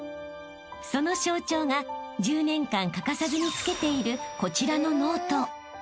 ［その象徴が１０年間欠かさずにつけているこちらのノート］